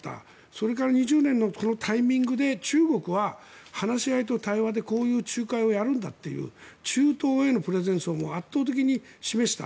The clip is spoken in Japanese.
それから２０年のタイミングで中国は話し合いと対話でこういう仲介をやるんだという中東へのプレゼンスを圧倒的に示した。